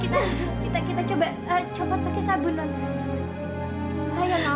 kita pakai sabun ya nont ya kita coba pakai sabun nont